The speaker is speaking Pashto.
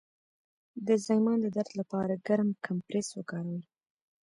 د زایمان د درد لپاره ګرم کمپرس وکاروئ